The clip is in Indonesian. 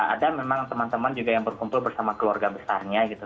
ada memang teman teman juga yang berkumpul bersama keluarga besarnya gitu